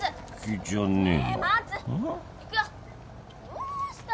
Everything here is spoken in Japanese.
どうした？